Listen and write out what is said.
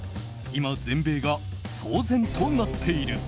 今、全米が騒然となっている。